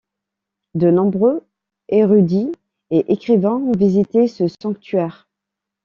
De nombreux érudits et écrivains ont visité ce sanctuaire.